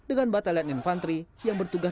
dengan batalite infanteri yang bertugas